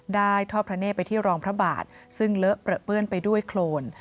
ได้ทอดพระเนธไปที่รองพระบาทซึ่งเลอะเปลือเปื้อนไปด้วยโครน